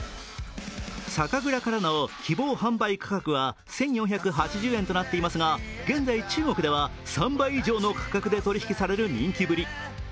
酒蔵からの希望販売価格は１４８０円となっていますが現在中国では３倍以上の価格で取り引きされる人気ぶり。